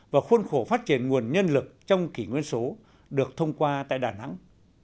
và khuôn khổ phát triển nguồn nhân lực trong kỷ nguyên số được thông qua tại đà nẵng